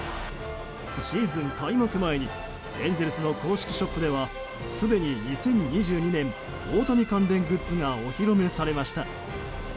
シーズン開幕前にエンゼルスの公式ショップではすでに２０２２年大谷関連グッズがお披露目されました。